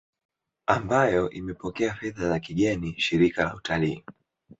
ambayo imepokea fedha za kigeni Shirika la Utalii